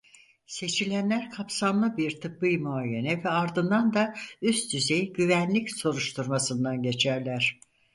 Seçilenler kapsamlı bir tıbbı muayene ve ardından da üst düzey güvenlik soruşturmasından geçerler.